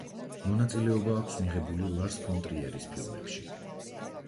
მონაწილეობა აქვს მიღებული ლარს ფონ ტრიერის ფილმებში.